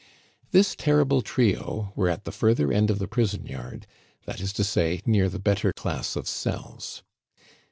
This terrible trio were at the further end of the prison yard, that is to say, near the better class of cells.